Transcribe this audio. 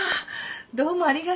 どうもありがとう。